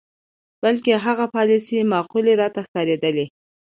بلکې هغه پالیسۍ معقولې راته ښکارېدلې.